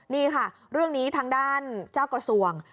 นี่ค่ะเรื่องนี้ทางด้านเจ้ากระทรวง